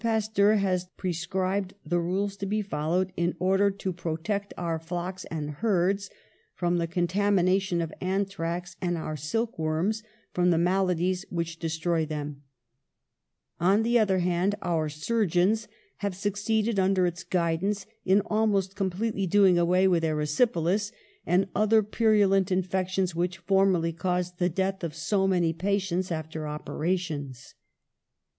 Pasteur has prescribed the rules to be followed in order to protect our flocks and THE SOVEREIGNTY OF GENIUS 155 herds from the contamination of anthrax and our silk worms from the maladies which de stroy them. On the other hand, our surgeons have, succeeded under its guidance in almost completely doing away with erysipelas and other purulent infections which formerly caused the death of so many patients after operations.